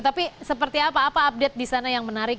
tapi seperti apa apa update di sana yang menarik